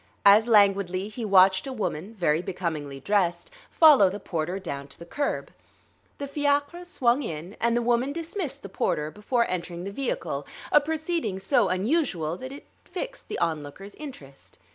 As languidly he watched a woman, very becomingly dressed, follow the porter down to the curb. The fiacre swung in, and the woman dismissed the porter before entering the vehicle; a proceeding so unusual that it fixed the onlooker's interest.